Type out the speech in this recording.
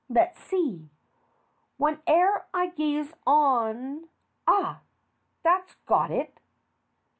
Let's see. "Whene'er I gaze on " Ah! that's got it.